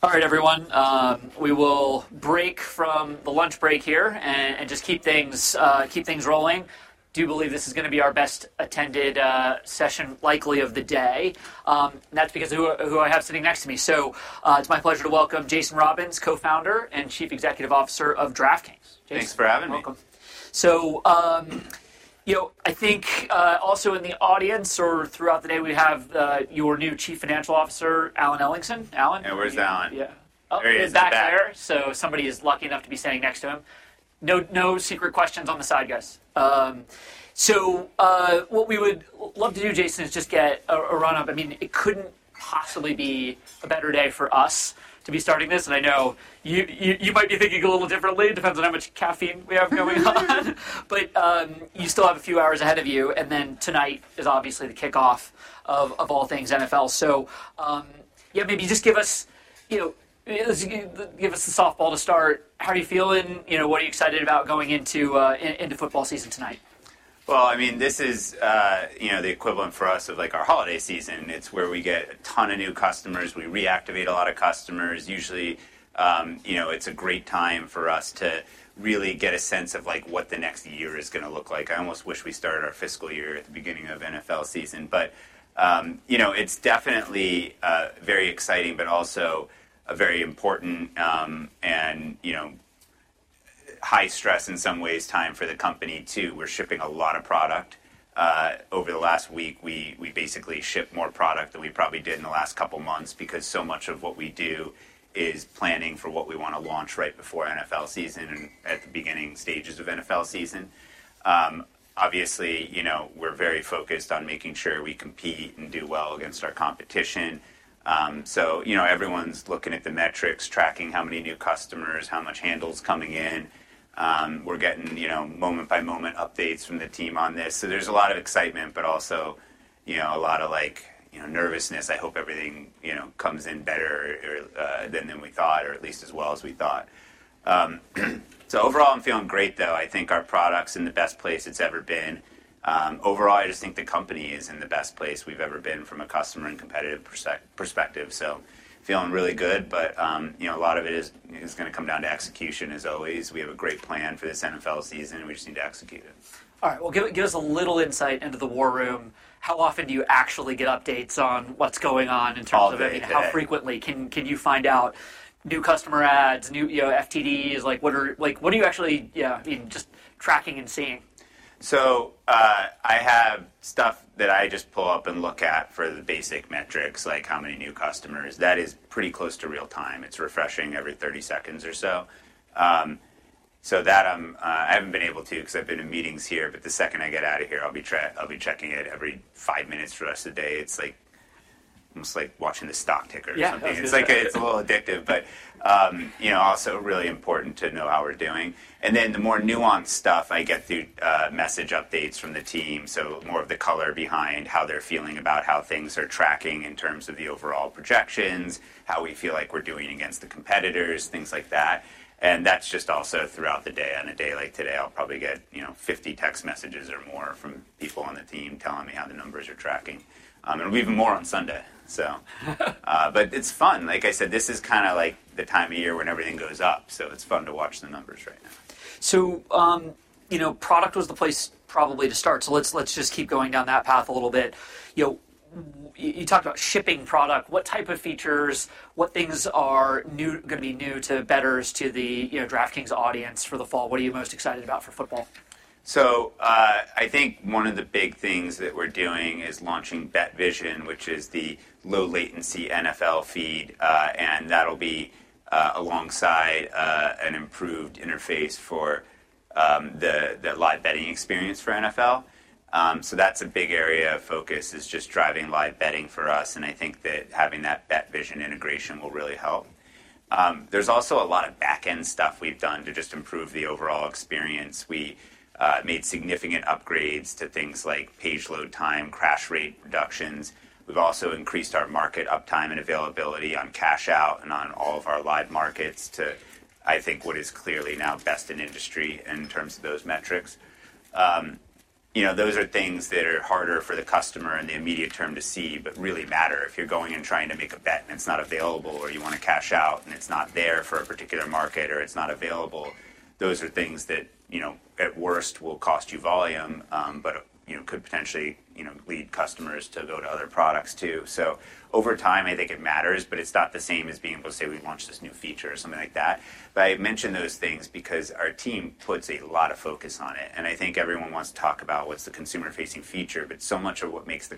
All right, everyone, we will break from the lunch break here and just keep things rolling. I do believe this is going to be our best-attended session, likely of the day. That's because of who I have sitting next to me. So, it's my pleasure to welcome Jason Robins, Co-founder and Chief Executive Officer of DraftKings. Jason- Thanks for having me. Welcome. So, you know, I think, also in the audience or throughout the day, we have, your new Chief Financial Officer, Alan Ellingson. Alan? Yeah, where's Alan? Yeah. There he is, he's back. He's back there, So somebody is lucky enough to be sitting next to him. No, no secret questions on the side, guys. So, what we would love to do, Jason, is just get a run-up. I mean, it couldn't possibly be a better day for us to be starting this, and I know you might be thinking a little differently, depends on how much caffeine we have going on. But, you still have a few hours ahead of you, and then tonight is obviously the kickoff of all things NFL. So, yeah, maybe just give us, you know, just give us the softball to start. How are you feeling? You know, what are you excited about going into into football season tonight? Well, I mean, this is, you know, the equivalent for us of, like, our holiday season. It's where we get a ton of new customers, we reactivate a lot of customers. Usually, you know, it's a great time for us to really get a sense of, like, what the next year is going to look like. I almost wish we started our fiscal year at the beginning of NFL season. But, you know, it's definitely, very exciting, but also a very important, and, you know, high stress in some ways, time for the company, too. We're shipping a lot of product. Over the last week, we basically shipped more product than we probably did in the last couple of months because so much of what we do is planning for what we want to launch right before NFL season and at the beginning stages of NFL season. Obviously, you know, we're very focused on making sure we compete and do well against our competition. So, you know, everyone's looking at the metrics, tracking how many new customers, how much handle's coming in. We're getting, you know, moment-by-moment updates from the team on this. So there's a lot of excitement, but also, you know, a lot of like, you know, nervousness. I hope everything, you know, comes in better or than we thought, or at least as well as we thought. So overall, I'm feeling great, though. I think our product's in the best place it's ever been. Overall, I just think the company is in the best place we've ever been from a customer and competitive perspective. So feeling really good, but, you know, a lot of it is going to come down to execution, as always. We have a great plan for this NFL season, we just need to execute it. All right, well, give us a little insight into the war room. How often do you actually get updates on what's going on in terms of- All day, every day. How frequently can you find out new customer adds, you know, FTDs? Like, what are you actually, yeah, you know, just tracking and seeing? So, I have stuff that I just pull up and look at for the basic metrics, like how many new customers. That is pretty close to real time. It's refreshing every thirty seconds or so. So that, I haven't been able to because I've been in meetings here, but the second I get out of here, I'll be checking it every five minutes for the rest of the day. It's like, almost like watching the stock ticker or something. Yeah. It's like, it's a little addictive, but you know, also really important to know how we're doing, and then the more nuanced stuff I get through message updates from the team, so more of the color behind how they're feeling about how things are tracking in terms of the overall projections, how we feel like we're doing against the competitors, things like that, and that's just also throughout the day. On a day like today, I'll probably get, you know, 50 text messages or more from people on the team telling me how the numbers are tracking, and even more on Sunday, but it's fun. Like I said, this is kind of like the time of year when everything goes up, so it's fun to watch the numbers right now. You know, product was the place probably to start. Let's just keep going down that path a little bit. You know, you talked about shipping product, what type of features, what things are new, going to be new to bettors, to the, you know, DraftKings audience for the fall? What are you most excited about for football? So, I think one of the big things that we're doing is launching BetVision, which is the low latency NFL feed, and that'll be alongside an improved interface for the live betting experience for NFL. So that's a big area of focus, is just driving live betting for us, and I think that having that BetVision integration will really help. There's also a lot of back-end stuff we've done to just improve the overall experience. We made significant upgrades to things like page load time, crash rate reductions. We've also increased our market uptime and availability on cash out and on all of our live markets to, I think, what is clearly now best in industry in terms of those metrics. You know, those are things that are harder for the customer in the immediate term to see, but really matter. If you're going and trying to make a bet and it's not available, or you want to cash out, and it's not there for a particular market or it's not available, those are things that, you know, at worst, will cost you volume, but, you know, could potentially, you know, lead customers to go to other products, too. So over time, I think it matters, but it's not the same as being able to say, "We've launched this new feature," or something like that. I mention those things because our team puts a lot of focus on it, and I think everyone wants to talk about what's the consumer-facing feature, but so much of what makes the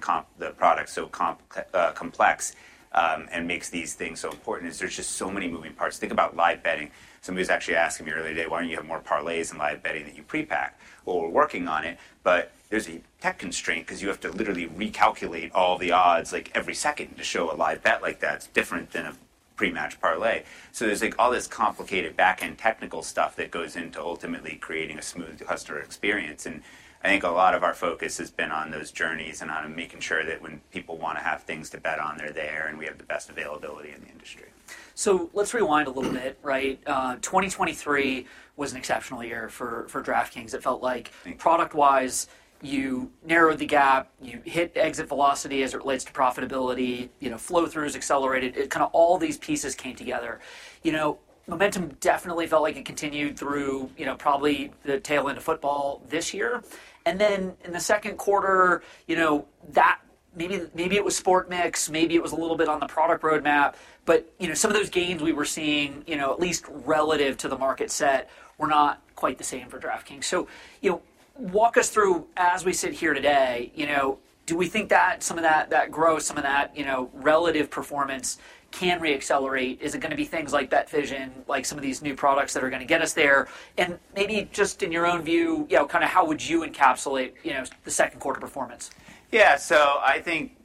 product so competitive and complex, and makes these things so important, is there's just so many moving parts. Think about live betting. Somebody was actually asking me earlier today, "Why don't you have more parlays in live betting that you pre-pack?" Well, we're working on it, but there's a tech constraint because you have to literally recalculate all the odds, like, every second to show a live bet like that. It's different than a pre-match parlay. So there's, like, all this complicated back-end technical stuff that goes into ultimately creating a smooth customer experience, and I think a lot of our focus has been on those journeys and on making sure that when people want to have things to bet on, they're there, and we have the best availability in the industry. So let's rewind a little bit, right? 2023 was an exceptional year for DraftKings. It felt like product-wise, you narrowed the gap, you hit exit velocity as it relates to profitability, you know, flow-throughs accelerated. It kind of all these pieces came together. You know, momentum definitely felt like it continued through, you know, probably the tail end of football this year. And then in the second quarter, you know, that maybe, maybe it was sports mix, maybe it was a little bit on the product roadmap, but, you know, some of those gains we were seeing, you know, at least relative to the market share, were not quite the same for DraftKings. So, you know, walk us through as we sit here today, you know, do we think that some of that, that growth, some of that, you know, relative performance can reaccelerate? Is it gonna be things like BetVision, like some of these new products that are gonna get us there? And maybe just in your own view, you know, kind of how would you encapsulate, you know, theQ2 performance? Yeah. So I think,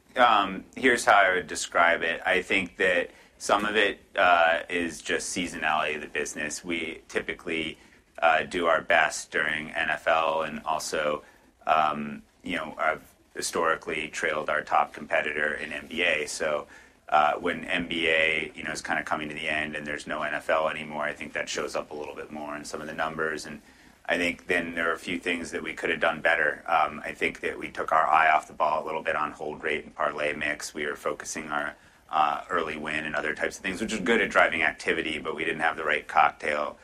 here's how I would describe it. I think that some of it is just seasonality of the business. We typically do our best during NFL and also, you know, have historically trailed our top competitor in NBA. So, when NBA, you know, is kind of coming to the end and there's no NFL anymore, I think that shows up a little bit more in some of the numbers. And I think then there are a few things that we could have done better. I think that we took our eye off the ball a little bit on hold rate and parlay mix. We are focusing on Early Win and other types of things, which is good at driving activity, but we didn't have the right cocktail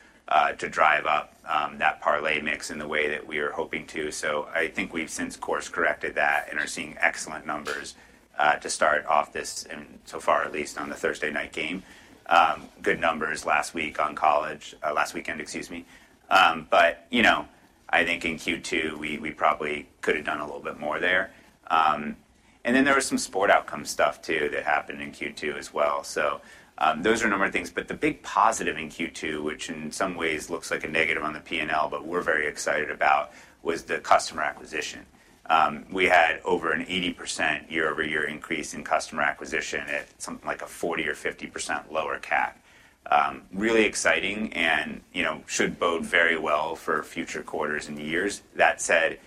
to drive up that parlay mix in the way that we were hoping to. So I think we've since course-corrected that and are seeing excellent numbers to start off this, and so far at least on the Thursday night game. Good numbers last week on college last weekend, excuse me. But you know I think in Q2 we probably could have done a little bit more there. And then there was some sport outcome stuff too that happened in Q2 as well. So those are a number of things, but the big positive in Q2, which in some ways looks like a negative on the P&L, but we're very excited about, was the customer acquisition. We had over an 80% year-over-year increase in customer acquisition at something like a 40% or 50% lower CAP. Really exciting and, you know, should bode very well for future quarters and years. That said,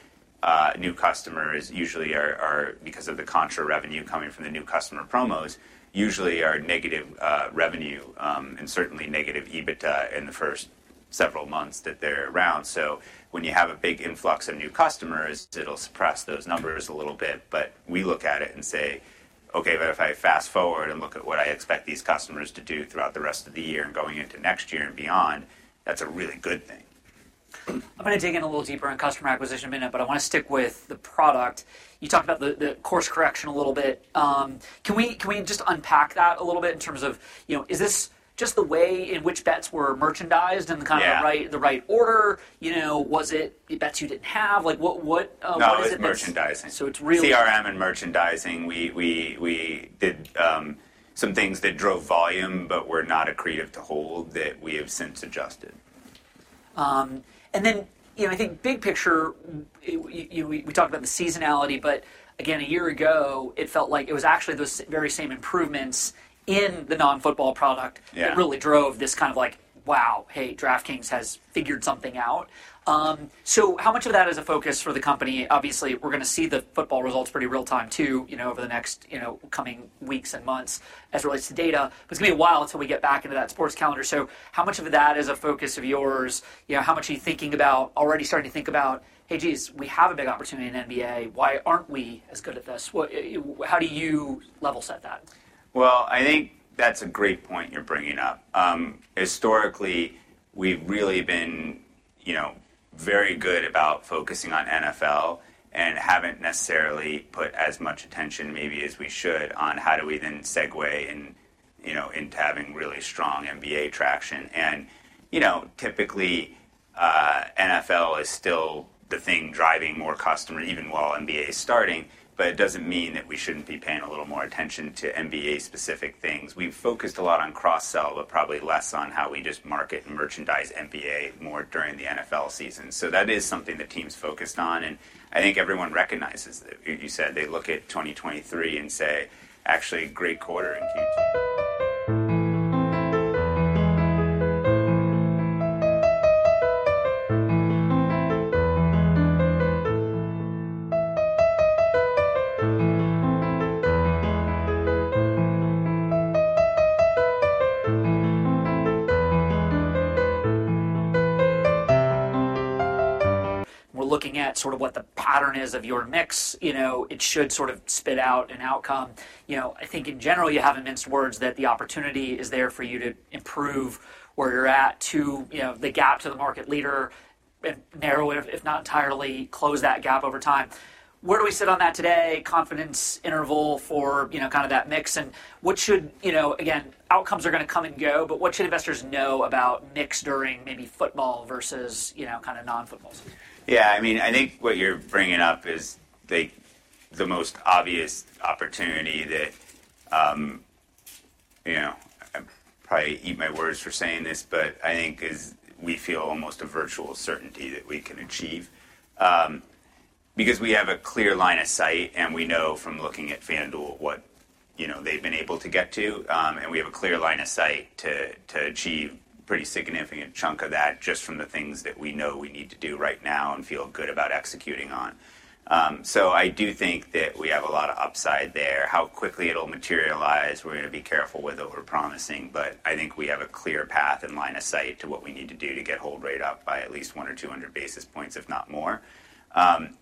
new customers usually are because of the contra revenue coming from the new customer promos, usually are negative revenue and certainly negative EBITDA in the first several months that they're around. So when you have a big influx of new customers, it'll suppress those numbers a little bit. But we look at it and say, "Okay, but if I fast forward and look at what I expect these customers to do throughout the rest of the year and going into next year and beyond, that's a really good thing. I'm gonna dig in a little deeper on customer acquisition in a minute, but I wanna stick with the product. You talked about the course correction a little bit. Can we just unpack that a little bit in terms of, you know, is this just the way in which bets were merchandised- Yeah... and kind of in the right order? You know, was it the bets you didn't have? Like, what, what is it- No, it's merchandising. So it's really- CRM and merchandising. We did some things that drove volume but were not accretive to hold that we have since adjusted. And then, you know, I think big picture, we talked about the seasonality, but again, a year ago, it felt like it was actually those very same improvements in the non-football product. Yeah really drove this kind of like, wow, hey, DraftKings has figured something out. So how much of that is a focus for the company? Obviously, we're gonna see the football results pretty real time, too, you know, over the next, you know, coming weeks and months as it relates to data. But it's gonna be a while until we get back into that sports calendar. So how much of that is a focus of yours? You know, how much are you thinking about already starting to think about, "Hey, geez, we have a big opportunity in NBA. Why aren't we as good at this?" What how do you level set that? I think that's a great point you're bringing up. Historically, we've really been, you know, very good about focusing on NFL and haven't necessarily put as much attention, maybe, as we should on how do we then segue in, you know, into having really strong NBA traction. You know, typically, NFL is still the thing driving more customer, even while NBA is starting, but it doesn't mean that we shouldn't be paying a little more attention to NBA-specific things. We've focused a lot on cross-sell, but probably less on how we just market and merchandise NBA more during the NFL season. That is something the team's focused on, and I think everyone recognizes that. You said they look at 2023 and say, "Actually, great quarter in Q2. We're looking at sort of what the pattern is of your mix. You know, it should sort of spit out an outcome. You know, I think in general, you have immense work ahead that the opportunity is there for you to improve where you're at to, you know, the gap to the market leader and narrow it, if not entirely close that gap over time. Where do we sit on that today, confidence interval for, you know, kind of that mix? And what should... You know, again, outcomes are gonna come and go, but what should investors know about mix during maybe football versus, you know, kind of non-football? Yeah, I mean, I think what you're bringing up is the most obvious opportunity that, you know, I'd probably eat my words for saying this, but I think is we feel almost a virtual certainty that we can achieve. Because we have a clear line of sight, and we know from looking at FanDuel what, you know, they've been able to get to, and we have a clear line of sight to achieve pretty significant chunk of that just from the things that we know we need to do right now and feel good about executing on. So I do think that we have a lot of upside there. How quickly it'll materialize, we're gonna be careful with overpromising, but I think we have a clear path and line of sight to what we need to do to get hold rate up by at least one or two hundred basis points, if not more.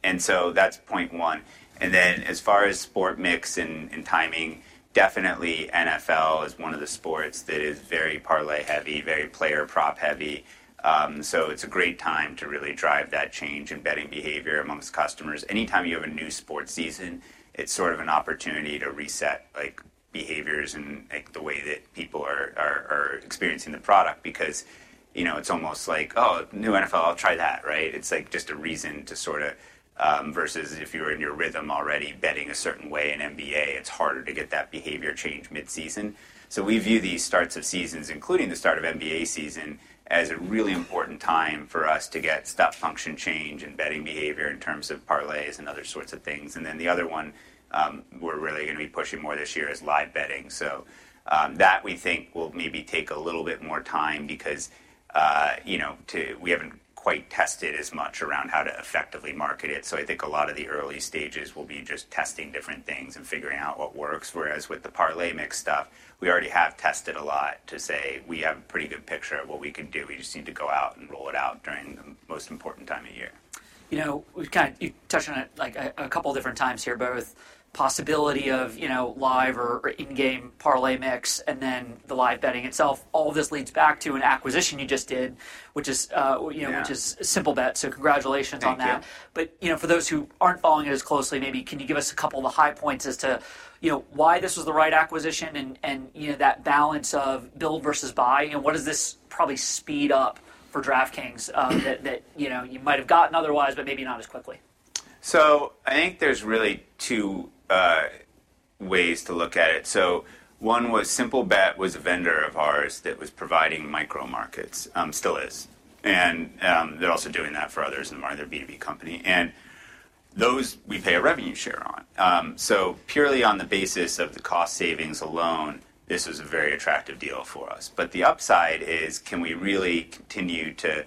And so that's point one. And then, as far as sport mix and timing, definitely NFL is one of the sports that is very parlay heavy, very player prop heavy. So it's a great time to really drive that change in betting behavior amongst customers. Anytime you have a new sports season, it's sort of an opportunity to reset, like, behaviors and, like, the way that people are experiencing the product. Because, you know, it's almost like, "Oh, new NFL, I'll try that," right? It's like just a reason to sort of versus if you were in your rhythm already, betting a certain way in NBA, it's harder to get that behavior change mid-season. So we view these starts of seasons, including the start of NBA season, as a really important time for us to get step function change in betting behavior in terms of parlays and other sorts of things. And then the other one, we're really gonna be pushing more this year is live betting. So that we think will maybe take a little bit more time because, you know, we haven't quite tested as much around how to effectively market it. So I think a lot of the early stages will be just testing different things and figuring out what works. Whereas with the parlay mix stuff, we already have tested a lot to say we have a pretty good picture of what we can do. We just need to go out and roll it out during the most important time of year. You know, we've, you've touched on it, like, a couple different times here, both possibility of, you know, live or in-game parlay mix, and then the live betting itself. All of this leads back to an acquisition you just did, which is, you know Yeah which Simplebet, so congratulations on that. Thank you. But, you know, for those who aren't following it as closely, maybe can you give us a couple of the high points as to, you know, why this was the right acquisition and, you know, that balance of build versus buy? You know, what does this probably speed up for DraftKings, that, you know, you might have gotten otherwise, but maybe not as quickly? So I think there's really two ways to look at it. One Simplebet was a vendor of ours that was providing micro markets, still is. And they're also doing that for others and are their B2B company, and those we pay a revenue share on. So purely on the basis of the cost savings alone, this was a very attractive deal for us. But the upside is, can we really continue to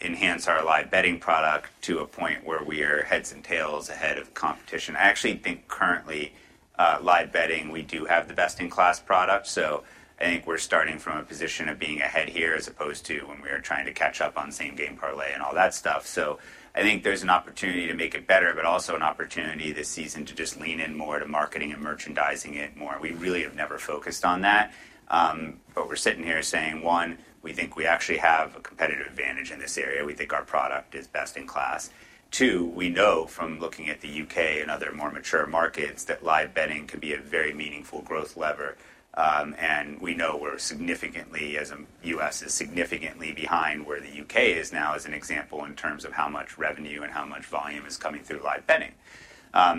enhance our live betting product to a point where we are heads and tails ahead of competition? I actually think currently live betting, we do have the best-in-class product, so I think we're starting from a position of being ahead here as opposed to when we were trying to catch up on same game parlay and all that stuff. So I think there's an opportunity to make it better, but also an opportunity this season to just lean in more to marketing and merchandising it more. We really have never focused on that. But we're sitting here saying, one, we think we actually have a competitive advantage in this area. We think our product is best in class. Two, we know from looking at the UK and other more mature markets, that live betting can be a very meaningful growth lever. And we know we're significantly, US is significantly behind where the UK is now, as an example, in terms of how much revenue and how much volume is coming through live betting.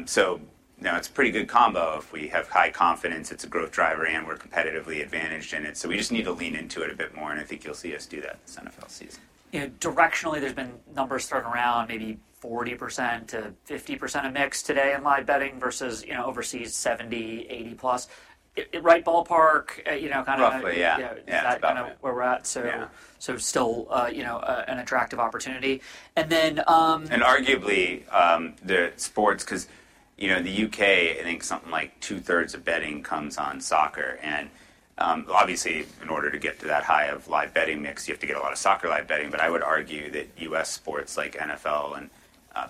So now it's a pretty good combo if we have high confidence, it's a growth driver, and we're competitively advantaged in it, so we just need to lean into it a bit more, and I think you'll see us do that this NFL season. You know, directionally, there's been numbers thrown around, maybe 40%-50% of mix today in live betting versus, you know, overseas, 70, 80 plus. Right ballpark, you know, kind of- Roughly, yeah. Yeah. Yeah, it's about right. Kind of where we're at, so- Yeah So still, you know, an attractive opportunity. And then Arguably, the sports because, you know, in the UK, I think something like two-thirds of betting comes on soccer. Obviously, in order to get to that high of live betting mix, you have to get a lot of soccer live betting. I would argue that US sports like NFL and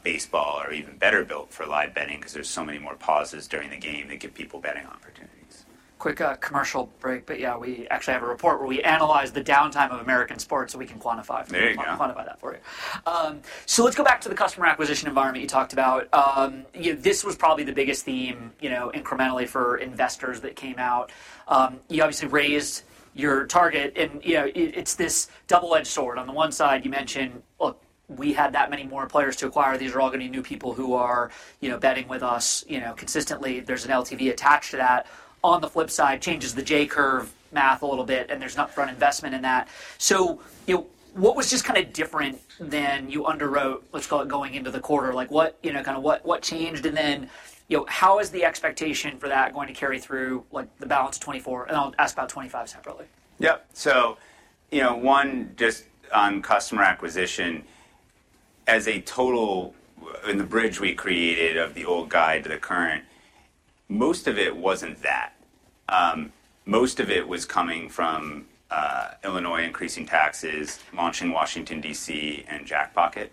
baseball are even better built for live betting because there's so many more pauses during the game that give people betting opportunities. Quick, commercial break, but yeah, we actually have a report where we analyze the downtime of American sports, so we can quantify- There you go. Quantify that for you. So let's go back to the customer acquisition environment you talked about. You know, this was probably the biggest theme, you know, incrementally for investors that came out. You obviously raised your target and, you know, it, it's this double-edged sword. On the one side, you mentioned, "Look, we had that many more players to acquire. These are all gonna be new people who are, you know, betting with us, you know, consistently. There's an LTV attached to that." On the flip side, changes the J-curve math a little bit, and there's upfront investment in that. So, you know, what was just kind of different than you underwrote, let's call it, going into the quarter? Like, what. You know, kind of what, what changed, and then, you know, how is the expectation for that going to carry through, like, the balance of 2024? I'll ask about 25 separately. Yep. So, you know, one, just on customer acquisition, as a total, in the bridge we created of the old guidance to the current, most of it wasn't that. Most of it was coming from, Illinois increasing taxes, launching Washington, DC and Jackpocket.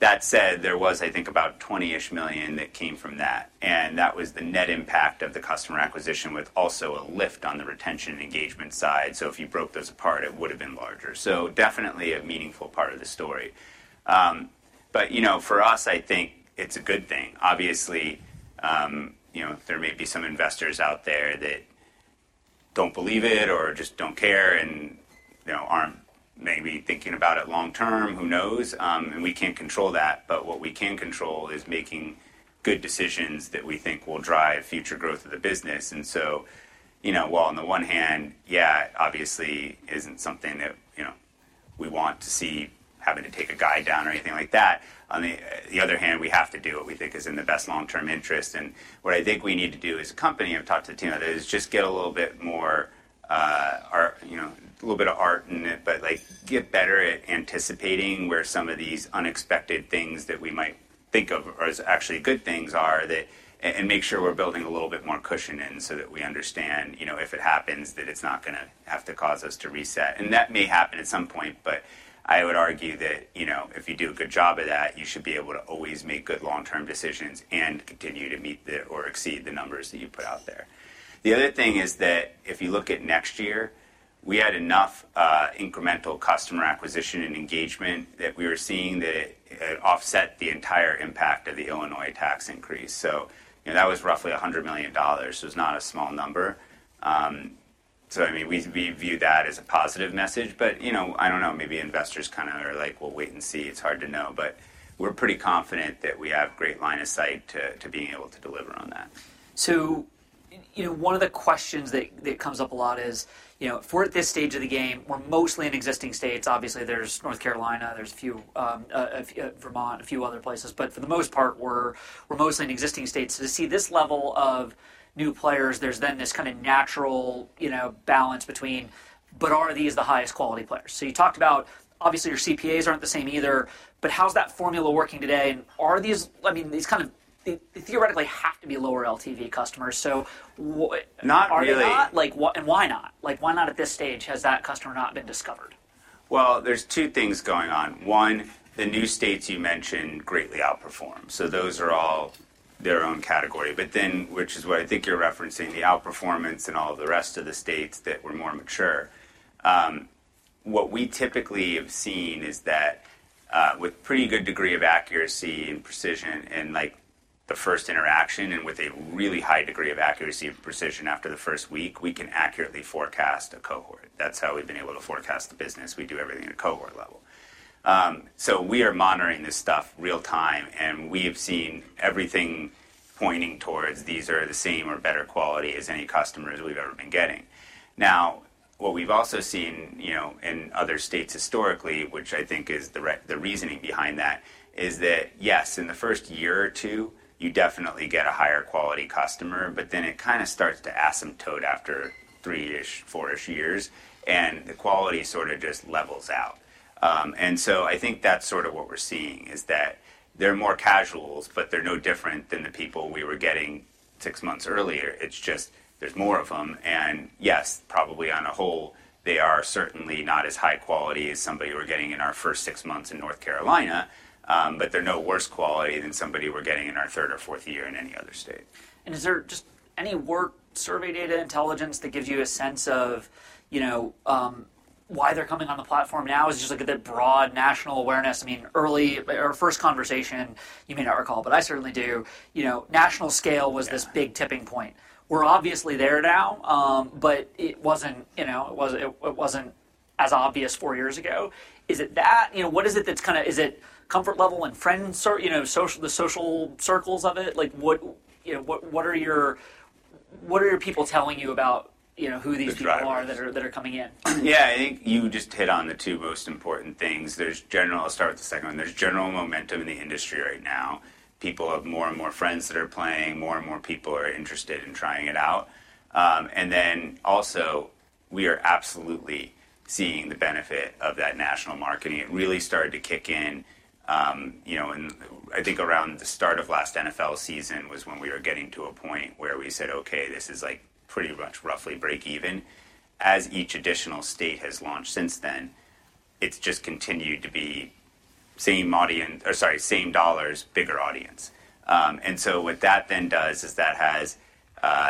That said, there was, I think, about $20-ish million that came from that, and that was the net impact of the customer acquisition, with also a lift on the retention and engagement side. So if you broke those apart, it would've been larger. So definitely a meaningful part of the story. But, you know, for us, I think it's a good thing. Obviously, you know, there may be some investors out there that don't believe it or just don't care and, you know, aren't maybe thinking about it long term. Who knows? And we can't control that, but what we can control is making good decisions that we think will drive future growth of the business. And so, you know, while on the one hand, yeah, obviously isn't something that we want to see, having to take a guy down or anything like that. On the other hand, we have to do what we think is in the best long-term interest. What I think we need to do as a company, I've talked to the team, is just get a little bit more art, you know, a little bit of art in it, but like get better at anticipating where some of these unexpected things that we might think of as actually good things are and make sure we're building a little bit more cushion in, so that we understand, you know, if it happens, that it's not gonna have to cause us to reset. And that may happen at some point, but I would argue that, you know, if you do a good job of that, you should be able to always make good long-term decisions and continue to meet or exceed the numbers that you put out there. The other thing is that if you look at next year, we had enough incremental customer acquisition and engagement that we were seeing that it offset the entire impact of the Illinois tax increase. So, you know, that was roughly $100 million. So it's not a small number. So I mean, we view that as a positive message, but, you know, I don't know, maybe investors kind of are like, "We'll wait and see." It's hard to know, but we're pretty confident that we have great line of sight to being able to deliver on that. So you know, one of the questions that comes up a lot is, you know, we're at this stage of the game, we're mostly in existing states. Obviously, there's North Carolina, there's a few, Vermont, a few other places, but for the most part, we're mostly in existing states. To see this level of new players, there's then this kind of natural, you know, balance between. But are these the highest quality players? You talked about, obviously, your CPAs aren't the same either, but how's that formula working today? Are these I mean, these kind of they theoretically have to be lower LTV customers, so w- Not really. Are they not? Like, and why not? Like, why not at this stage has that customer not been discovered? There's two things going on. One, the new states you mentioned greatly outperform, so those are all their own category. But then, which is what I think you're referencing, the outperformance in all of the rest of the states that were more mature. What we typically have seen is that, with pretty good degree of accuracy and precision, and, like, the first interaction, and with a really high degree of accuracy and precision after the first week, we can accurately forecast a cohort. That's how we've been able to forecast the business. We do everything at a cohort level. So we are monitoring this stuff real time, and we have seen everything pointing towards these are the same or better quality as any customers we've ever been getting. Now, what we've also seen, you know, in other states historically, which I think is the reasoning behind that, is that, yes, in the first year or two, you definitely get a higher quality customer, but then it kind of starts to asymptote after three-ish, four-ish years, and the quality sort of just levels out. And so I think that's sort of what we're seeing, is that they're more casuals, but they're no different than the people we were getting six months earlier. It's just there's more of them, and yes, probably on a whole, they are certainly not as high quality as somebody we were getting in our first six months in North Carolina, but they're no worse quality than somebody we're getting in our third or fourth year in any other state. Is there just any work, survey data intelligence that gives you a sense of, you know, why they're coming on the platform now? Is just like a bit broad national awareness. I mean, early, or our first conversation, you may not recall, but I certainly do, you know, national scale- was this big tipping point. We're obviously there now, but it wasn't, you know, it wasn't as obvious four years ago. Is it that? You know, what is it that's kind of, Is it comfort level and friends cir- you know, social, the social circles of it? Like, what, you know, what are your people telling you about, you know, who these people that are coming in? Yeah, I think you just hit on the two most important things. I'll start with the second one. There's general momentum in the industry right now. People have more and more friends that are playing, more and more people are interested in trying it out, and then also, we are absolutely seeing the benefit of that national marketing. It really started to kick in, you know, and I think around the start of last NFL season was when we were getting to a point where we said: "Okay, this is, like, pretty much roughly break even." As each additional state has launched since then, it's just continued to be same audience or, sorry, same dollars, bigger audience. And so what that then does is that has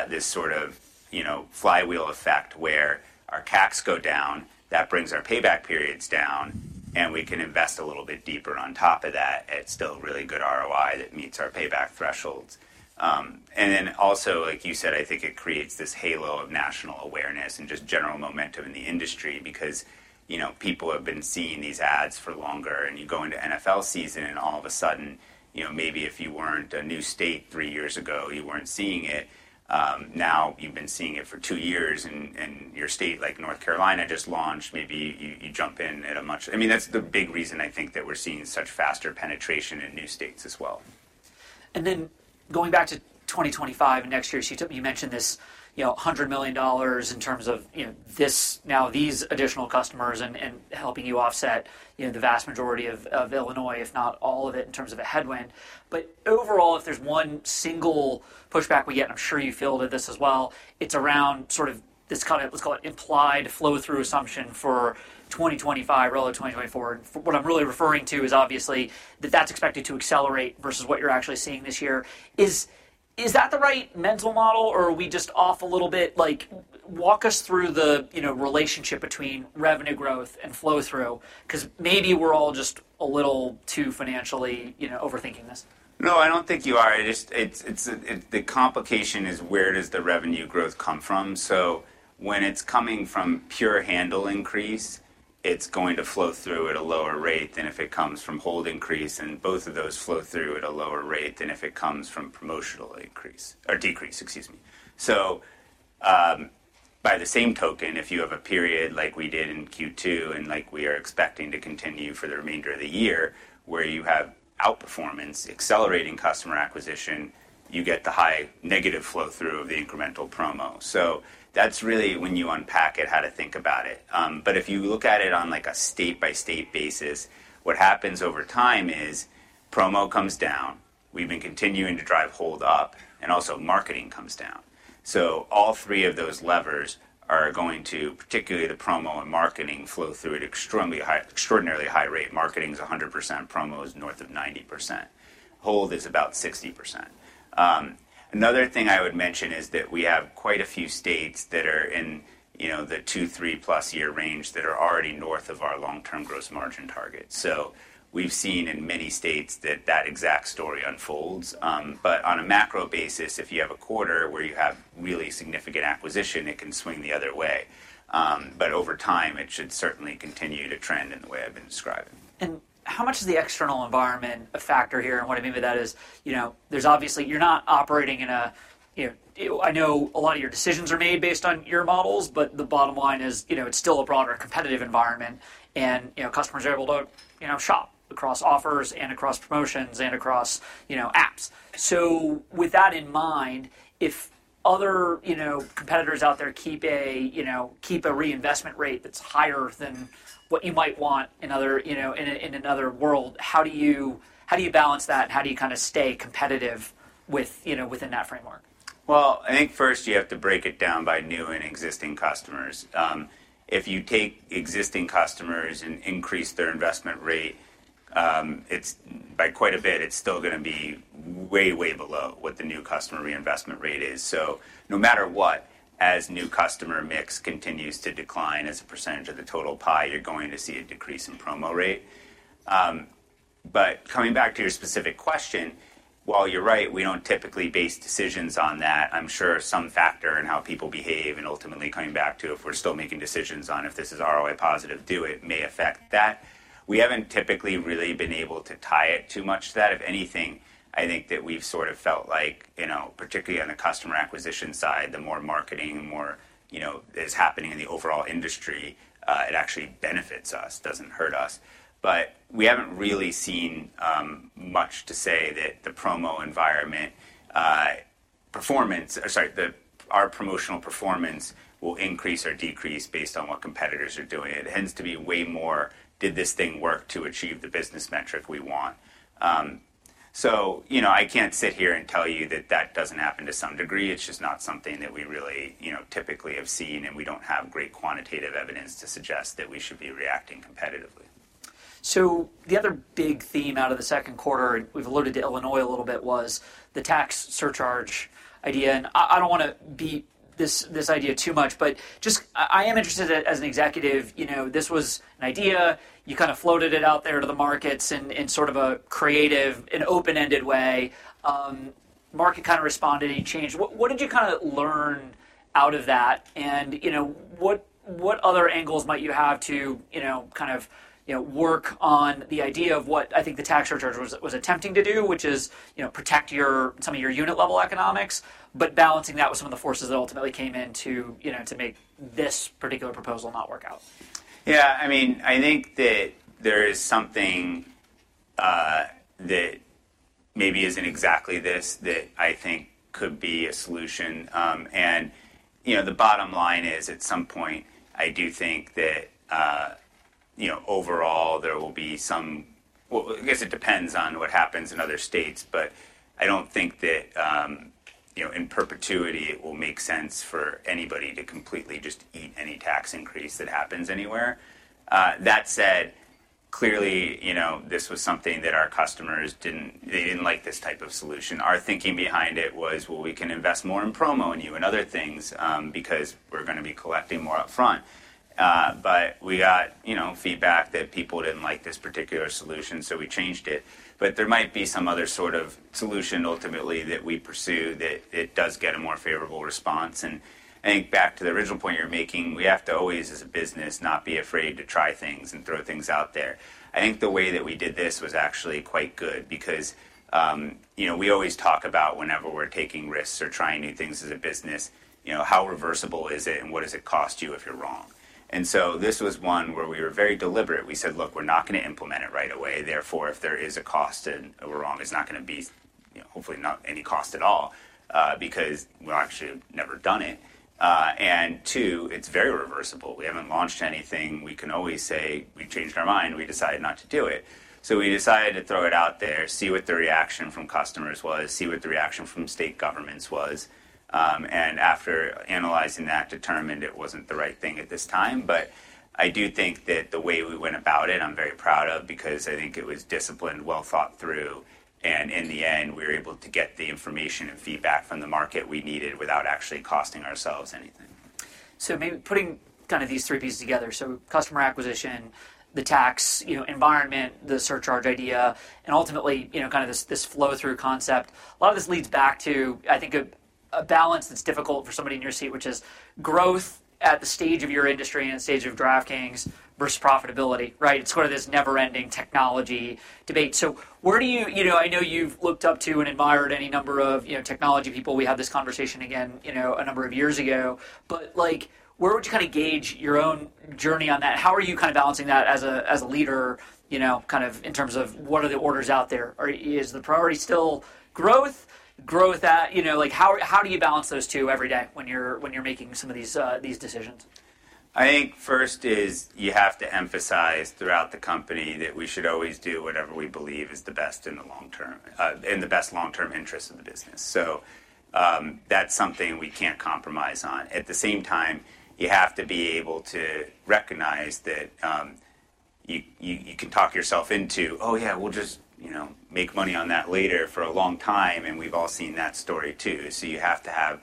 this sort of, you know, flywheel effect, where our caps go down, that brings our payback periods down, and we can invest a little bit deeper on top of that at still really good ROI that meets our payback thresholds. And then also, like you said, I think it creates this halo of national awareness and just general momentum in the industry because, you know, people have been seeing these adds for longer, and you go into NFL season, and all of a sudden, you know, maybe if you weren't a new state three years ago, you weren't seeing it, now you've been seeing it for two years, and your state, like North Carolina, just launched, maybe you jump in at a much... I mean, that's the big reason I think that we're seeing such faster penetration in new states as well. Then going back to 2025 and next year, so you mentioned this, you know, $100 million in terms of, you know, this, now, these additional customers and helping you offset, you know, the vast majority of Illinois, if not all of it, in terms of a headwind. But overall, if there's one single pushback we get, I'm sure you feel that this as well, it's around sort of this kind of, let's call it, implied flow-through assumption for 2025 rather than 2024. What I'm really referring to is obviously that that's expected to accelerate versus what you're actually seeing this year. Is that the right mental model or are we just off a little bit? Like, walk us through the, you know, relationship between revenue growth and flow-through, 'cause maybe we're all just a little too financially, you know, overthinking this? No, I don't think you are. It is, it's. The complication is where does the revenue growth come from? So when it's coming from pure handle increase, it's going to flow through at a lower rate than if it comes from hold increase, and both of those flow through at a lower rate than if it comes from promotional increase or decrease, excuse me. So, by the same token, if you have a period like we did in Q2, and like we are expecting to continue for the remainder of the year, where you have outperformance, accelerating customer acquisition, you get the high negative flow-through of the incremental promo. So that's really when you unpack it, how to think about it. But if you look at it on, like, a state-by-state basis, what happens over time is promo comes down. We've been continuing to drive hold up, and also marketing comes down, so all three of those levers are going to, particularly the promo and marketing, flow through at extremely high- extraordinarily high rate. Marketing is 100%, promo is north of 90%. Hold is about 60%. Another thing I would mention is that we have quite a few states that are in, you know, the two, three-plus year range that are already north of our long-term gross margin target. So we've seen in many states that that exact story unfolds, but on a macro basis, if you have a quarter where you have really significant acquisition, it can swing the other way, but over time, it should certainly continue to trend in the way I've been describing. How much is the external environment a factor here? What I mean by that is, you know, there's obviously, you're not operating in a, you know, I know a lot of your decisions are made based on your models, but the bottom line is, you know, it's still a broader competitive environment and, you know, customers are able to, you know, shop across offers and across promotions and across, you know, apps. With that in mind, if other, you know, competitors out there keep a reinvestment rate that's higher than what you might want in other, you know, in another world, how do you, how do you balance that? How do you kind of stay competitive with, you know, within that framework? I think first you have to break it down by new and existing customers. If you take existing customers and increase their investment rate, it's by quite a bit, it's still gonna be way, way below what the new customer reinvestment rate is. So no matter what, as new customer mix continues to decline as a percentage of the total pie, you're going to see a decrease in promo rate. But coming back to your specific question, while you're right, we don't typically base decisions on that. I'm sure some factor in how people behave and ultimately coming back to, if we're still making decisions on if this is ROI positive, do it, may affect that. We haven't typically really been able to tie it too much to that. If anything, I think that we've sort of felt like, you know, particularly on the customer acquisition side, the more marketing, the more, you know, is happening in the overall industry, it actually benefits us, doesn't hurt us. But we haven't really seen much to say that the promo environment performance, or sorry, that our promotional performance will increase or decrease based on what competitors are doing. It tends to be way more, did this thing work to achieve the business metric we want? So, you know, I can't sit here and tell you that that doesn't happen to some degree. It's just not something that we really, you know, typically have seen, and we don't have great quantitative evidence to suggest that we should be reacting competitively. So the other big theme out of the second quarter, and we've alluded to Illinois a little bit, was the tax surcharge idea. And I don't wanna beat this idea too much, but just I am interested as an executive, you know, this was an idea, you kind of floated it out there to the markets in sort of a creative and open-ended way. Market kind of responded, and you changed. What did you kind of learn out of that? You know, what other angles might you have to, you know, kind of, you know, work on the idea of what I think the tax surcharge was attempting to do, which is, you know, protect your, some of your unit level economics, but balancing that with some of the forces that ultimately came in to, you know, to make this particular proposal not work out? Yeah, I mean, I think that there is something, that maybe isn't exactly this, that I think could be a solution, and you know, the bottom line is, at some point, I do think that, you know, overall, there will be some... Well, I guess it depends on what happens in other states, but I don't think that, you know, in perpetuity, it will make sense for anybody to completely just eat any tax increase that happens anywhere. That said, clearly, you know, this was something that our customers didn't like this type of solution. Our thinking behind it was, well, we can invest more in promo and you and other things, because we're gonna be collecting more upfront, but we got, you know, feedback that people didn't like this particular solution, so we changed it. But there might be some other sort of solution ultimately that we pursue that it does get a more favorable response. And I think back to the original point you're making, we have to always, as a business, not be afraid to try things and throw things out there. I think the way that we did this was actually quite good because you know, we always talk about whenever we're taking risks or trying new things as a business, you know, how reversible is it, and what does it cost you if you're wrong? And so this was one where we were very deliberate. We said: Look, we're not gonna implement it right away. Therefore, if there is a cost and we're wrong, it's not gonna be, you know, hopefully not any cost at all because we'll actually have never done it. And two, it's very reversible. We haven't launched anything. We can always say, "We've changed our mind, we decided not to do it." So we decided to throw it out there, see what the reaction from customers was, see what the reaction from state governments was, and after analyzing that, determined it wasn't the right thing at this time. But I do think that the way we went about it, I'm very proud of, because I think it was disciplined, well thought through, and in the end, we were able to get the information and feedback from the market we needed without actually costing ourselves anything. So maybe putting kind of these three pieces together. So customer acquisition, the tax, you know, environment, the surcharge idea, and ultimately, you know, kind of this flow-through concept. A lot of this leads back to, I think, a balance that's difficult for somebody in your seat, which is growth at the stage of your industry and the stage of DraftKings versus profitability, right? It's sort of this never-ending technology debate. So where do you. You know, I know you've looked up to and admired any number of, you know, technology people. We had this conversation again, you know, a number of years ago, but, like, where would you kind of gauge your own journey on that? How are you kind of balancing that as a leader, you know, kind of in terms of what are the orders out there? Is the priority still growth at, you know... Like, how do you balance those two every day when you're making some of these decisions? I think first is, you have to emphasize throughout the company that we should always do whatever we believe is the best in the long term, in the best long-term interest of the business. So, that's something we can't compromise on. At the same time, you have to be able to recognize that, you can talk yourself into, "Oh, yeah, we'll just, you know, make money on that later," for a long time, and we've all seen that story too. So you have to have,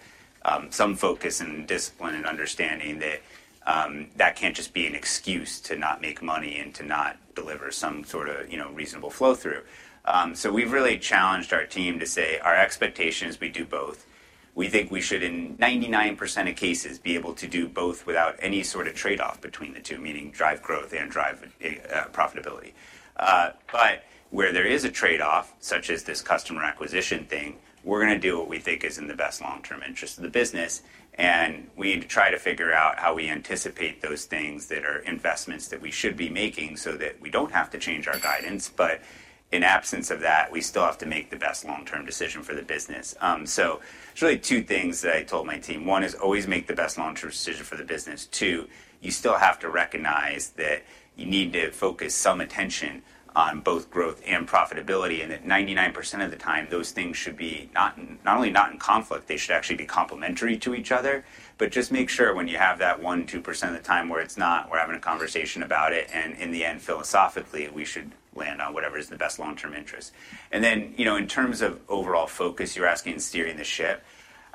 some focus and discipline and understanding that, that can't just be an excuse to not make money and to not deliver some sort of, you know, reasonable flow-through. So we've really challenged our team to say, "Our expectation is we do both." We think we should, in 99% of cases, be able to do both without any sort of trade-off between the two, meaning drive growth and drive profitability. But where there is a trade-off, such as this customer acquisition thing, we're gonna do what we think is in the best long-term interest of the business, and we try to figure out how we anticipate those things that are investments that we should be making so that we don't have to change our guidance. But in absence of that, we still have to make the best long-term decision for the business. So there's really two things that I told my team. One is always make the best long-term decision for the business. Two, you still have to recognize that you need to focus some attention on both growth and profitability, and that 99% of the time, those things should be not, not only not in conflict, they should actually be complementary to each other. But just make sure when you have that 1-2% of the time where it's not, we're having a conversation about it, and in the end, philosophically, we should land on whatever is the best long-term interest. And then, you know, in terms of overall focus, you're asking steering the ship.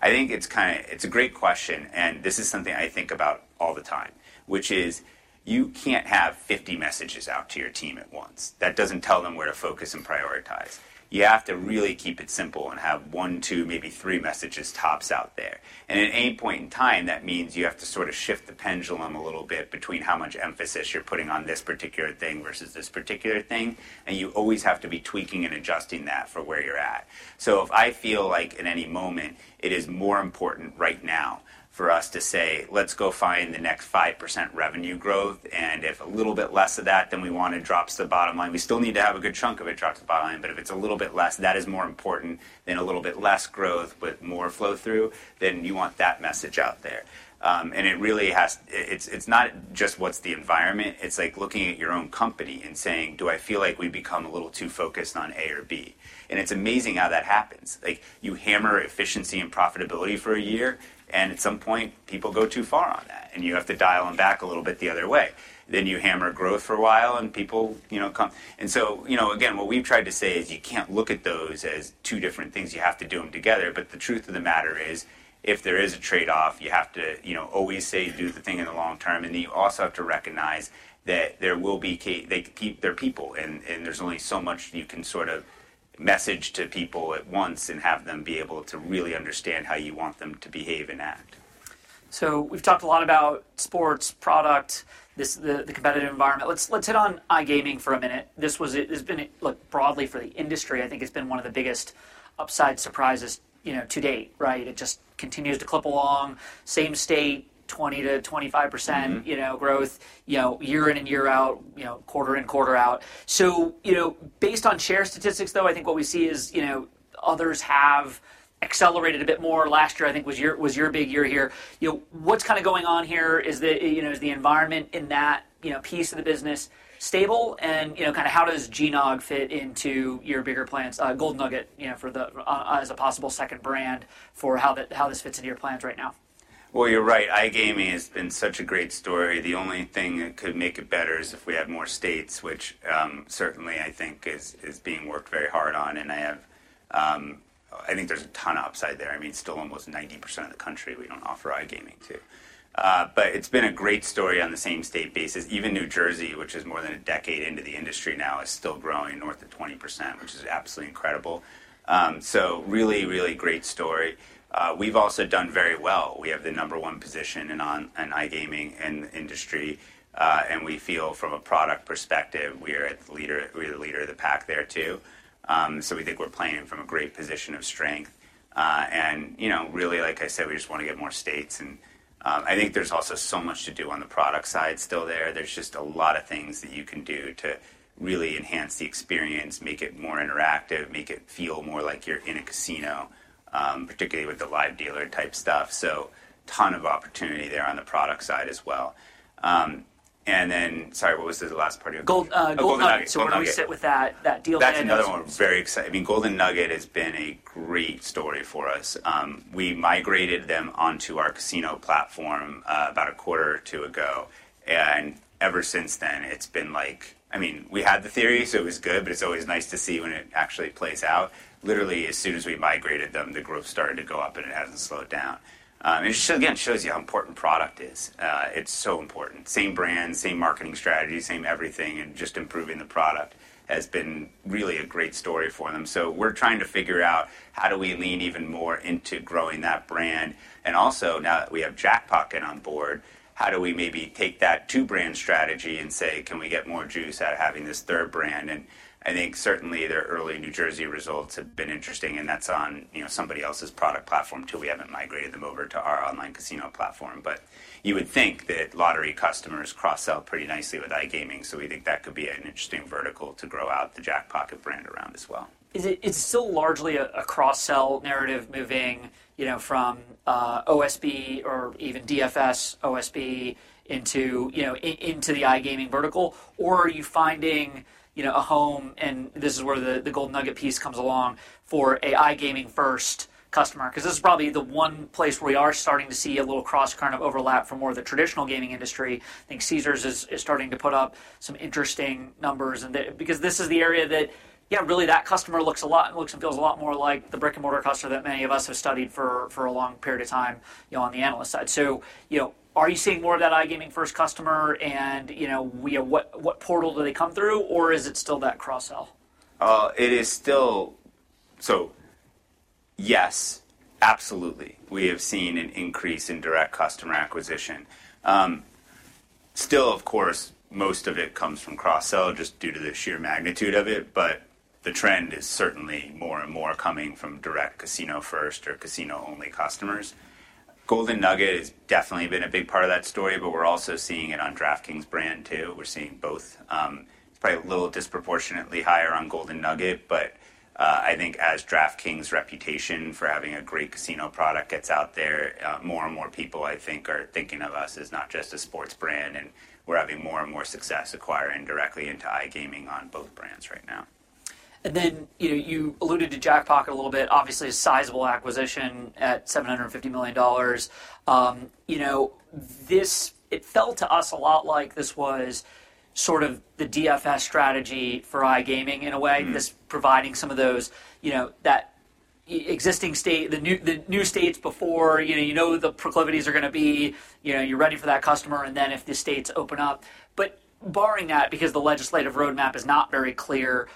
I think it's kinda- it's a great question, and this is something I think about all the time, which is you can't have 50 messages out to your team at once. That doesn't tell them where to focus and prioritize. You have to really keep it simple and have one, two, maybe three messages tops out there. And at any point in time, that means you have to sort of shift the pendulum a little bit between how much emphasis you're putting on this particular thing versus this particular thing, and you always have to be tweaking and adjusting that for where you're at. So if I feel like at any moment, it is more important right now for us to say, "Let's go find the next 5% revenue growth," and if a little bit less of that than we want, it drops to the bottom line. We still need to have a good chunk of it drop to the bottom line, but if it's a little bit less, that is more important than a little bit less growth but more flow-through, then you want that message out there. And it really has... it's not just what's the environment, it's like looking at your own company and saying: Do I feel like we've become a little too focused on A or B? And it's amazing how that happens. Like, you hammer efficiency and profitability for a year, and at some point, people go too far on that, and you have to dial them back a little bit the other way. Then you hammer growth for a while, and people, you know, and so, you know, again, what we've tried to say is, you can't look at those as two different things, you have to do them together. But the truth of the matter is, if there is a trade-off, you have to, you know, always say, do the thing in the long term, and then you also have to recognize that there will be, they're people, and there's only so much you can sort of message to people at once and have them be able to really understand how you want them to behave and act. So we've talked a lot about sports, product, the competitive environment. Let's hit on iGaming for a minute. This has been a. Look, broadly for the industry, I think it's been one of the biggest upside surprises, you know, to date, right? It just continues to clip along, same state, 20%-25%. Mm-hmm You know, growth, you know, year in and year out, you know, quarter in, quarter out. So, you know, based on share statistics, though, I think what we see is, you know, others have accelerated a bit more. Last year, I think, was your, was your big year here. You know, what's kind of going on here? Is the, you know, is the environment in that, you know, piece of the business stable? And, you know, kind of how does GNOG fit into your bigger plans, Golden Nugget, you know, for the, as a possible second brand for how the, how this fits into your plans right now? You're right, iGaming has been such a great story. The only thing that could make it better is if we had more states, which certainly I think is being worked very hard on, I think there's a ton of upside there. I mean, still almost 90% of the country we don't offer iGaming to. It's been a great story on the same state basis. Even New Jersey, which is more than a decade into the industry now, is still growing north of 20%, which is absolutely incredible. Really, really great story. We've also done very well. We have the number one position in iGaming in the industry, and we feel from a product perspective, we're the leader of the pack there, too. So we think we're playing from a great position of strength. And you know, really, like I said, we just want to get more states, and I think there's also so much to do on the product side still there. There's just a lot of things that you can do to really enhance the experience, make it more interactive, make it feel more like you're in a casino, particularly with the live dealer type stuff. So a ton of opportunity there on the product side as well. And then, sorry, what was the last part you were- Golden Nugget So where do we sit with that deal and- That's another one, very exciting. I mean, Golden Nugget has been a great story for us. We migrated them onto our casino platform, about a quarter or two ago, and ever since then, it's been like. I mean, we had the theory, so it was good, but it's always nice to see when it actually plays out. Literally, as soon as we migrated them, the growth started to go up, and it hasn't slowed down. Again, it shows you how important product is. It's so important. Same brand, same marketing strategy, same everything, and just improving the product has been really a great story for them. So we're trying to figure out, how do we lean even more into growing that brand? And also, now that we have Jackpocket on board, how do we maybe take that two-brand strategy and say: Can we get more juice out of having this third brand? And I think certainly, their early New Jersey results have been interesting, and that's on, you know, somebody else's product platform, too. We haven't migrated them over to our online casino platform. But you would think that lottery customers cross-sell pretty nicely with iGaming, so we think that could be an interesting vertical to grow out the Jackpocket brand around as well. Is it it's still largely a cross-sell narrative moving, you know, from OSB or even DFS, OSB into, you know, into the iGaming vertical? Or are you finding, you know, a home, and this is where the Golden Nugget piece comes along, for a iGaming first customer? 'Cause this is probably the one place where we are starting to see a little cross kind of overlap from more of the traditional gaming industry. I think Caesars is starting to put up some interesting numbers, and that. Because this is the area that, yeah, really, that customer looks and feels a lot more like the brick-and-mortar customer that many of us have studied for a long period of time, you know, on the analyst side. So, you know, are you seeing more of that iGaming first customer and, you know, what portal do they come through, or is it still that cross-sell? It is still. So, yes, absolutely. We have seen an increase in direct customer acquisition. Still, of course, most of it comes from cross-sell, just due to the sheer magnitude of it, but the trend is certainly more and more coming from direct casino-first or casino-only customers. Golden Nugget has definitely been a big part of that story, but we're also seeing it on DraftKings brand, too. We're seeing both. It's probably a little disproportionately higher on Golden Nugget, but I think as DraftKings' reputation for having a great casino product gets out there, more and more people, I think, are thinking of us as not just a sports brand, and we're having more and more success acquiring directly into iGaming on both brands right now. And then, you know, you alluded to Jackpocket a little bit. Obviously, a sizable acquisition at $750 million. You know, it felt to us a lot like this was sort of the DFS strategy for iGaming in a way- Mm just providing some of those, you know, that existing state, the new states before, you know, the proclivities are gonna be, you know, you're ready for that customer, and then if the states open up. But barring that, because the legislative roadmap is not very clear,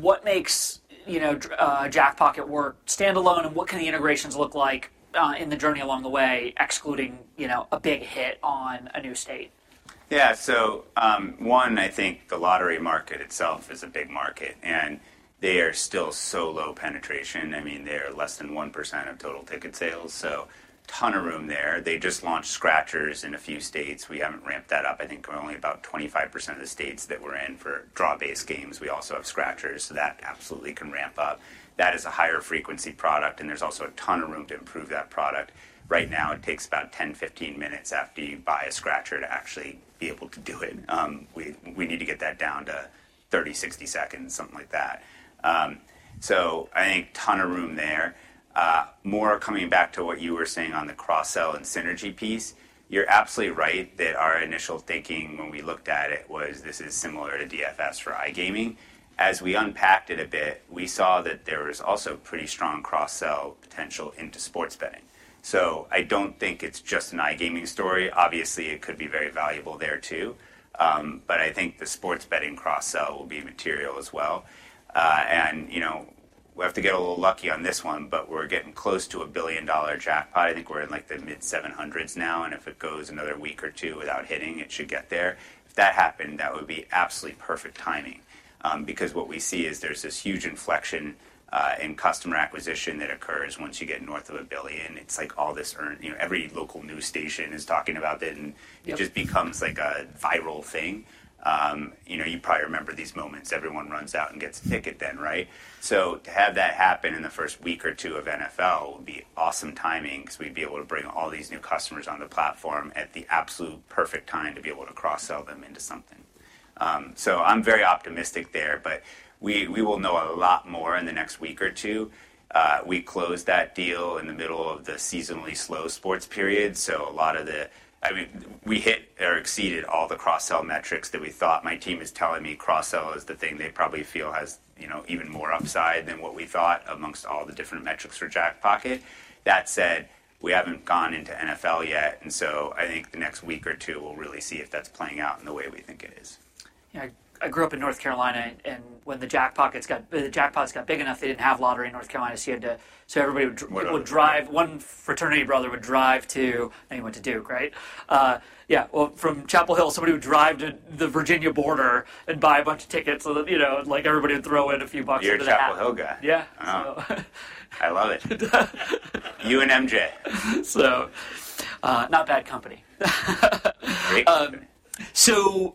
what makes, you know, Jackpocket work standalone, and what can the integrations look like in the journey along the way, excluding, you know, a big hit on a new state? Yeah. So, one, I think the lottery market itself is a big market, and they are still so low penetration. I mean, they are less than 1% of total ticket sales, so ton of room there. They just launched scratchers in a few states. We haven't ramped that up. I think we're only about 25% of the states that we're in for draw-based games. We also have scratchers, so that absolutely can ramp up. That is a higher frequency product, and there's also a ton of room to improve that product. Right now, it takes about 10, 15 minutes after you buy a scratcher to actually be able to do it. We need to get that down to 30, 60 seconds, something like that. So I think ton of room there. More coming back to what you were saying on the cross-sell and synergy piece, you're absolutely right that our initial thinking when we looked at it was, this is similar to DFS for iGaming. As we unpacked it a bit, we saw that there was also pretty strong cross-sell potential into sports betting, so I don't think it's just an iGaming story. Obviously, it could be very valuable there, too, but I think the sports betting cross-sell will be material as well, and, you know, we have to get a little lucky on this one, but we're getting close to a $1 billion jackpot. I think we're in, like, the mid-seven hundreds now, and if it goes another week or two without hitting, it should get there. If that happened, that would be absolutely perfect timing, because what we see is there's this huge inflection in customer acquisition that occurs once you get north of a billion. It's like all this, you know, every local news station is talking about it, and- Yep it just becomes, like, a viral thing. You know, you probably remember these moments. Everyone runs out and gets a ticket then, right? So to have that happen in the first week or two of NFL would be awesome timing because we'd be able to bring all these new customers on the platform at the absolute perfect time to be able to cross-sell them into something. So I'm very optimistic there, but we will know a lot more in the next week or two. We closed that deal in the middle of the seasonally slow sports period, so a lot of the... I mean, we hit or exceeded all the cross-sell metrics that we thought. My team is telling me cross-sell is the thing they probably feel has, you know, even more upside than what we thought amongst all the different metrics for Jackpocket. That said, we haven't gone into NFL yet, and so I think the next week or two, we'll really see if that's playing out in the way we think it is. Yeah, I grew up in North Carolina, and when the jackpots got big enough, they didn't have lottery in North Carolina, so you had to. So everybody would dr- Whatever. would drive, one fraternity brother would drive to, I think he went to Duke, right? Yeah, well, from Chapel Hill, somebody would drive to the Virginia border and buy a bunch of tickets so that, you know, like, everybody would throw in a few bucks into the hat. You're a Chapel Hill guy. Yeah. Oh. So, I love it. You and MJ. Not bad company. Great company. With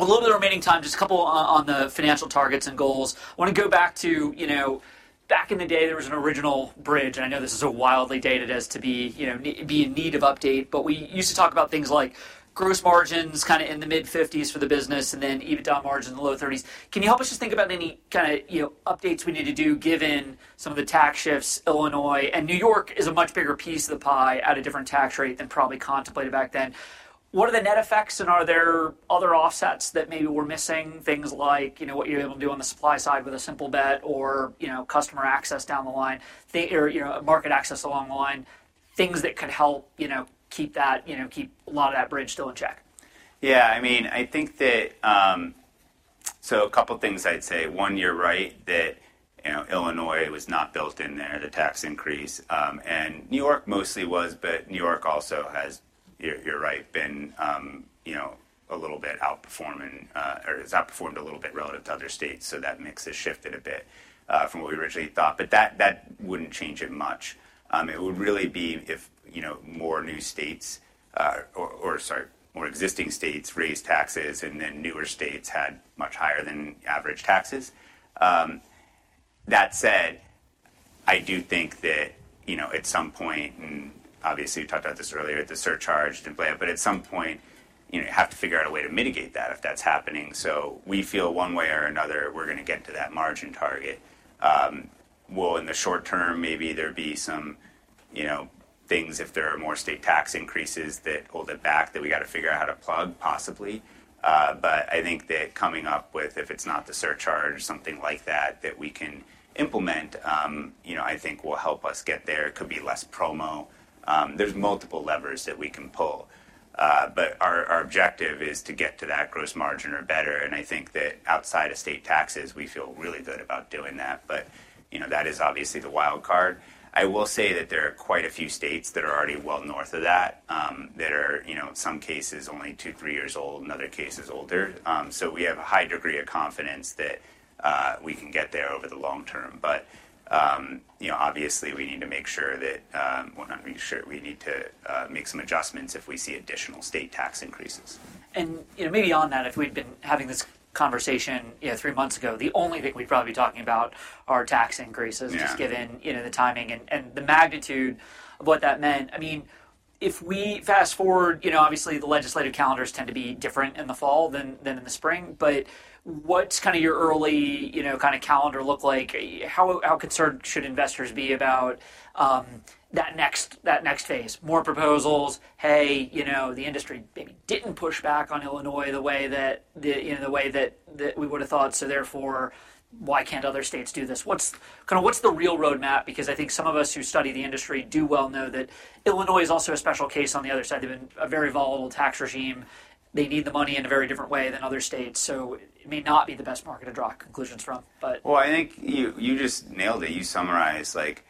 a little bit of remaining time, just a couple on the financial targets and goals. I want to go back to, you know, back in the day, there was an original bridge, and I know this is wildly dated as to be, you know, in need of update. But we used to talk about things like gross margins, kind of in the mid 50s for the business, and then EBITDA margins in the low 30s. Can you help us just think about any kind of, you know, updates we need to do, given some of the tax shifts, Illinois and New York is a much bigger piece of the pie at a different tax rate than probably contemplated back then. What are the net effects, and are there other offsets that maybe we're missing? Things like, you know, what you're able to do on the supply side Simplebet or, you know, customer access down the line, or, you know, market access along the line, things that could help, you know, keep that, you know, keep a lot of that bridge still in check. Yeah, I mean, I think that, so a couple of things I'd say. One, you're right, that, you know, Illinois was not built in there, the tax increase, and New York mostly was, but New York also has, you're right, been, you know, a little bit outperforming, or has outperformed a little bit relative to other states. So that mix has shifted a bit, from what we originally thought. But that wouldn't change it much. It would really be if, you know, more new states, or sorry, more existing states raised taxes, and then newer states had much higher than average taxes. That said, I do think that, you know, at some point, and obviously, we talked about this earlier, the surcharge didn't play out, but at some point, you know, you have to figure out a way to mitigate that if that's happening. So we feel one way or another, we're going to get to that margin target. In the short term, maybe there'd be some, you know, things, if there are more state tax increases that hold it back, that we got to figure out how to plug, possibly. But I think that coming up with, if it's not the surcharge or something like that, that we can implement, you know, I think will help us get there. It could be less promo. There's multiple levers that we can pull. But our objective is to get to that gross margin or better, and I think that outside of state taxes, we feel really good about doing that. But, you know, that is obviously the wild card. I will say that there are quite a few states that are already well north of that, that are, you know, some cases only two, three years old and other cases older. So we have a high degree of confidence that we can get there over the long term. But, you know, obviously, we need to make some adjustments if we see additional state tax increases. And, you know, maybe on that, if we'd been having this conversation, you know, three months ago, the only thing we'd probably be talking about are tax increases- Yeah just given, you know, the timing and the magnitude of what that meant. I mean, if we fast forward, you know, obviously, the legislative calendars tend to be different in the fall than in the spring. But what's kind of your early, you know, kind of calendar look like? How concerned should investors be about that next phase? More proposals. Hey, you know, the industry maybe didn't push back on Illinois the way that, you know, the way that we would have thought, so therefore, why can't other states do this? What's kind of what's the real roadmap? Because I think some of us who study the industry do well know that Illinois is also a special case on the other side. They've been a very volatile tax regime. They need the money in a very different way than other states, so it may not be the best market to draw conclusions from, but... I think you just nailed it. You summarized like,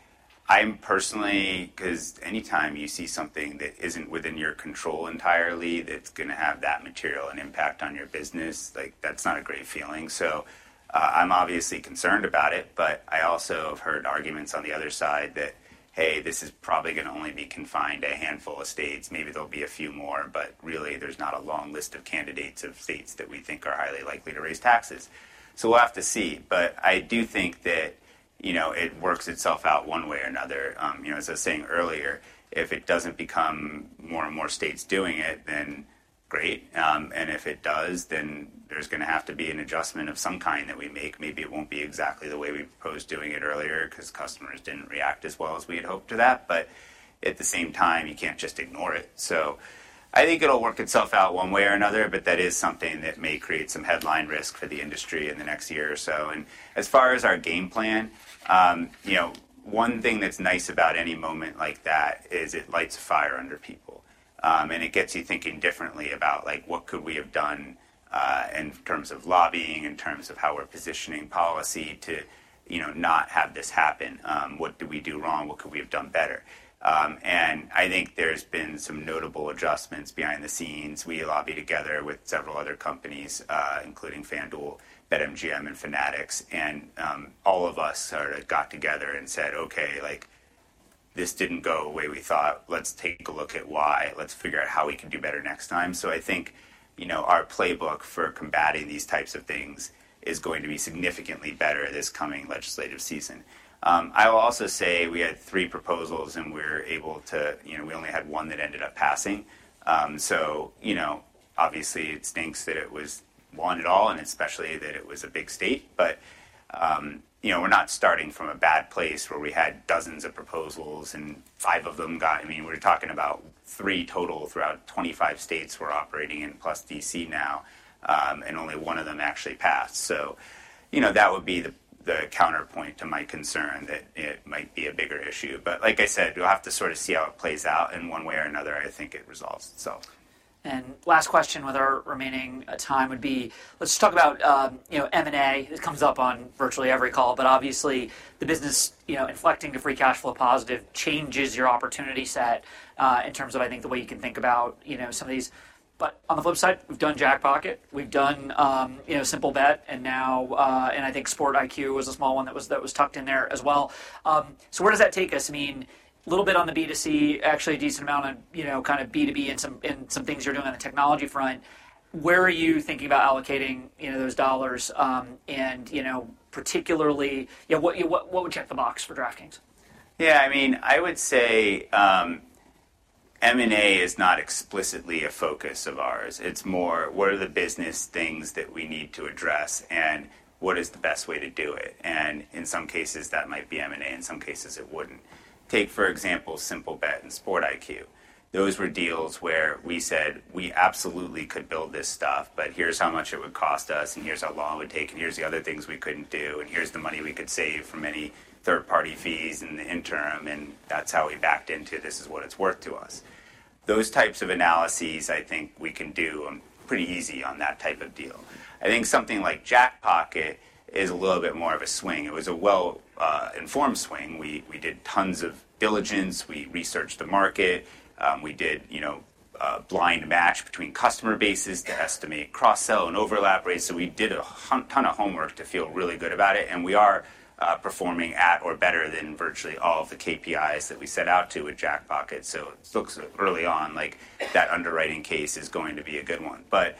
I'm personally cause anytime you see something that isn't within your control entirely, that's going to have that material, an impact on your business, like, that's not a great feeling. So, I'm obviously concerned about it, but I also have heard arguments on the other side that, hey, this is probably going to only be confined to a handful of states. Maybe there'll be a few more, but really, there's not a long list of candidates of states that we think are highly likely to raise taxes, so we'll have to see, but I do think that, you know, it works itself out one way or another. You know, as I was saying earlier, if it doesn't become more and more states doing it, then great. And if it does, then there's going to have to be an adjustment of some kind that we make. Maybe it won't be exactly the way we proposed doing it earlier, 'cause customers didn't react as well as we had hoped to that. But at the same time, you can't just ignore it. So I think it'll work itself out one way or another, but that is something that may create some headline risk for the industry in the next year or so. And as far as our game plan, you know, one thing that's nice about any moment like that is it lights a fire under people, and it gets you thinking differently about, like, what could we have done, in terms of lobbying, in terms of how we're positioning policy to, you know, not have this happen? What did we do wrong? What could we have done better? And I think there's been some notable adjustments behind the scenes. We lobby together with several other companies, including FanDuel, BetMGM, and Fanatics, and all of us sort of got together and said, "Okay, like, this didn't go the way we thought. Let's take a look at why. Let's figure out how we can do better next time." So I think, you know, our playbook for combating these types of things is going to be significantly better this coming legislative season. I will also say we had three proposals, and we're able to... You know, we only had one that ended up passing. So, you know, obviously, it stinks that it was one at all, and especially that it was a big state. But, you know, we're not starting from a bad place where we had dozens of proposals and five of them got. I mean, we're talking about three total throughout 25states we're operating in, plus DC now, and only one of them actually passed. So, you know, that would be the counterpoint to my concern that it might be a bigger issue. But like I said, we'll have to sort of see how it plays out in one way or another. I think it resolves itself. And last question with our remaining time would be, let's talk about you know, M&A. It comes up on virtually every call, but obviously, the business you know, inflecting to free cash flow positive changes your opportunity set in terms of, I think, the way you can think about you know, some of these. But on the flip side, we've done Jackpocket, we've done you know, Simplebet, and now and I think SportsIQ was a small one that was that was tucked in there as well. So where does that take us? I mean, a little bit on the B2C, actually, a decent amount on you know, kind of B2B and some and some things you're doing on the technology front. Where are you thinking about allocating you know, those dollars? And you know, particularly, you know, what would check the box for DraftKings? Yeah, I mean, I would say, M&A is not explicitly a focus of ours. It's more, what are the business things that we need to address, and what is the best way to do it? And in some cases, that might be M&A, in some cases, it wouldn't. Take, for Simplebet and sports IQ. Those were deals where we said we absolutely could build this stuff, but here's how much it would cost us, and here's how long it would take, and here's the other things we couldn't do, and here's the money we could save from any third-party fees in the interim, and that's how we backed into this is what it's worth to us. Those types of analyses, I think we can do, pretty easy on that type of deal. I think something like Jackpocket is a little bit more of a swing. It was a well-informed swing. We did tons of diligence, we researched the market, we did, you know, a blind match between customer bases to estimate cross-sell and overlap rates. So we did a ton of homework to feel really good about it, and we are performing at or better than virtually all of the KPIs that we set out to with Jackpocket. So it looks early on, like, that underwriting case is going to be a good one. But,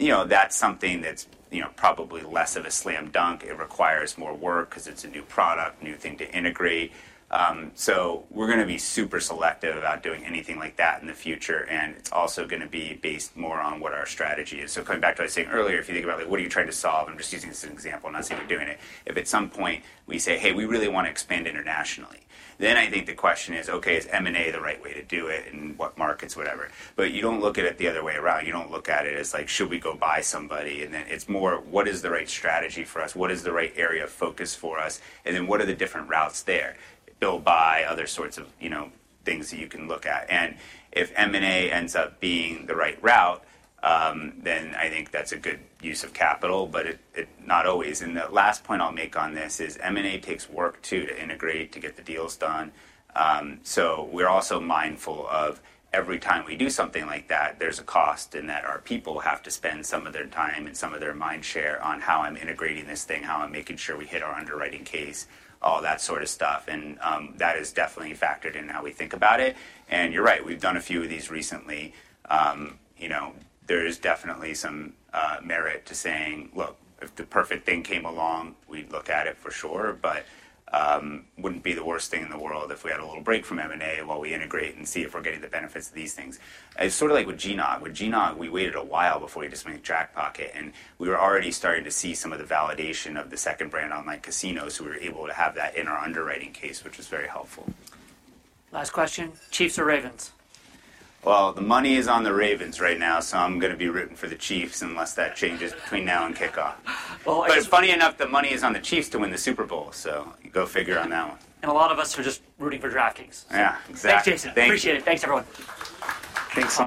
you know, that's something that's, you know, probably less of a slam dunk. It requires more work 'cause it's a new product, new thing to integrate. So we're gonna be super selective about doing anything like that in the future, and it's also gonna be based more on what our strategy is. So coming back to what I was saying earlier, if you think about it, what are you trying to solve? I'm just using this as an example, not saying we're doing it. If at some point we say, "Hey, we really want to expand internationally," then I think the question is, okay, is M&A the right way to do it, and what markets, whatever. But you don't look at it the other way around. You don't look at it as like, should we go buy somebody? And then it's more, what is the right strategy for us? What is the right area of focus for us? And then what are the different routes there, built by other sorts of, you know, things that you can look at. And if M&A ends up being the right route, then I think that's a good use of capital, but it, it not always. And the last point I'll make on this is M&A takes work, too, to integrate, to get the deals done. So we're also mindful of every time we do something like that, there's a cost, and that our people have to spend some of their time and some of their mind share on how I'm integrating this thing, how I'm making sure we hit our underwriting case, all that sort of stuff. And, that is definitely factored in how we think about it. And you're right, we've done a few of these recently. You know, there is definitely some merit to saying, look, if the perfect thing came along, we'd look at it for sure, but, wouldn't be the worst thing in the world if we had a little break from M&A while we integrate and see if we're getting the benefits of these things. It's sort of like with GNOT. With GNOT, we waited a while before we just made Jackpocket, and we were already starting to see some of the validation of the second brand online casinos, so we were able to have that in our underwriting case, which was very helpful. Last question: Chiefs or Ravens? The money is on the Ravens right now, so I'm gonna be rooting for the Chiefs unless that changes between now and kickoff. Well, But funny enough, the money is on the Chiefs to win the Super Bowl, so go figure on that one. A lot of us are just rooting for DraftKings. Yeah, exactly. Thanks, Jason. Thank you. Appreciate it. Thanks, everyone. Thanks a lot.